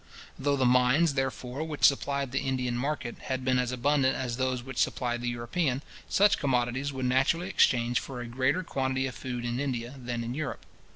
Though the mines, therefore, which supplied the Indian market, had been as abundant as those which supplied the European, such commodities would naturally exchange for a greater quantity of food in India than in Europe.